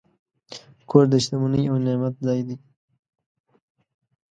کور د شتمنۍ او نعمت ځای دی.